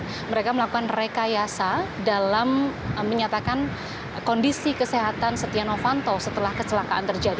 kemudian mereka melakukan rekayasa dalam menyatakan kondisi kesehatan setia novanto setelah kecelakaan terjadi